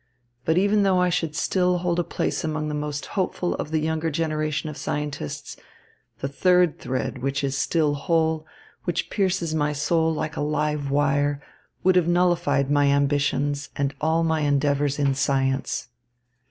But even though I should still hold a place among the most hopeful of the younger generation of scientists, the third thread, which is still whole, which pierces my soul like a live wire, would have nullified my ambitions and all my endeavours in science."